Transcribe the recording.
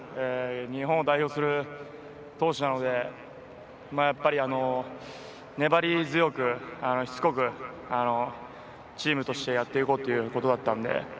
日本を代表する投手なのでやっぱり、粘り強く、しつこくチームとしてやっていこうということだったので。